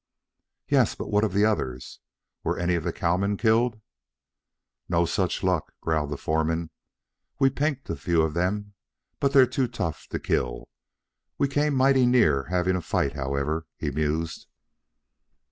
"Yes; but what of the others? Were any of the cowmen killed?" "No such luck," growled the foreman. "We pinked a few of them, but they're too tough to kill. We come mighty near having a fight, however," he mused.